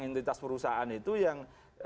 entitas perusahaan itu yang